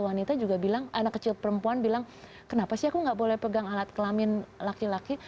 wanita juga bilang anak kecil perempuan bilang kenapa sih aku nggak boleh pegang alat kelamin laki laki